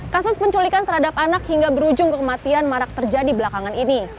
kasus penculikan terhadap anak hingga berujung kematian marak terjadi belakangan ini